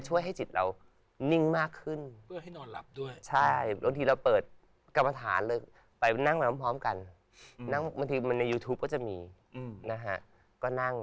อุ้ยลังจงไม่นั่งนานขนาดนั้น